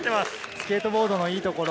スケートボードのいいところ。